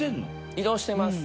移動してます